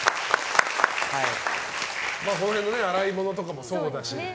この辺の洗い物とかもそうだし。